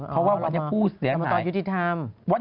เพราะว่าวันนี้พูดเสียงไหนรัฐมนตรายุทธิธรรม